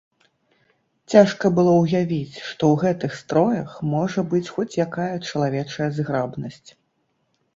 Цяжка было ўявіць, што ў гэтых строях можа быць хоць якая чалавечая зграбнасць.